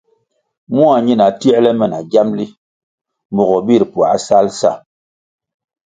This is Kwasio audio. Mua ñina tierle me na giamli mogo bir puáh sal sa.